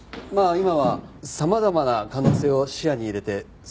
今は様々な可能性を視野に入れて捜査しておりまして。